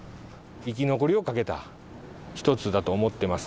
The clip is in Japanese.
生き残りを懸けた一つだと思ってます。